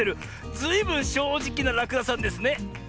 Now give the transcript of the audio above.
ずいぶんしょうじきならくださんですね。